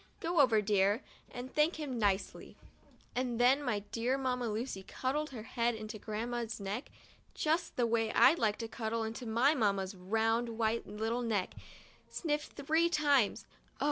Go over, dear, and thank him nicely." And then my dear Mamma Lu cuddled her head into Grandma's neck in just the way I'd like to cuddle into my Mamma's round white little neck — sniffed three times (Oh!